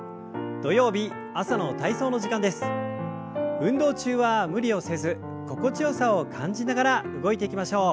運動中は無理をせず心地よさを感じながら動いていきましょう。